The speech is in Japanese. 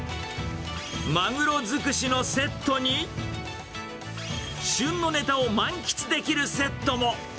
マグロ尽くしのセットに、旬のネタを満喫できるセットも。